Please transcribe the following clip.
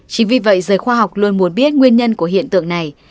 chính vì vậy giới khoa học luôn muốn biết nguyên nhân của hiện tượng này